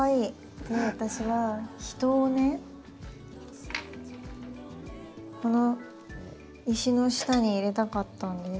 で私は人をねこの石の下に入れたかったんです。